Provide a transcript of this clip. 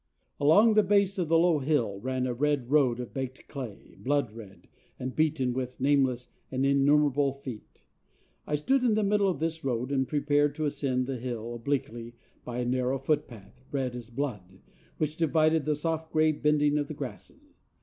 Along the base of the low hill ran a red road of baked clay, blood red, and beaten with nameless and innumerable feet. I stood in the middle of this road and prepared to ascend the hill obliquely by a narrow footpath, red as blood, which divided the soft gray bending of the grasses.